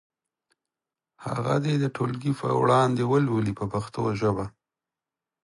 هغه دې د ټولګي په وړاندې ولولي په پښتو ژبه.